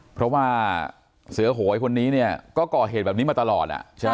เพราะว่าเสือโหยคนนี้เนี่ยก็ก่อเหตุแบบนี้มาตลอดใช่ไหม